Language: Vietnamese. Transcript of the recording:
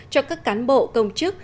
cho các cán bộ công chức